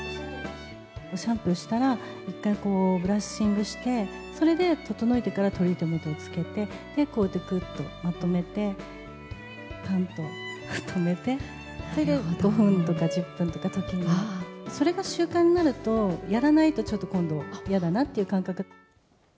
シャンプーしたら、一回こう、ブラッシングして、それで整えてからトリートメントをつけて、こうやってくるっとまとめて、ぱんと留めて、それで５分とか１０分とか置いて、それが習慣になると、やらないとちょっと今度嫌だなって感覚。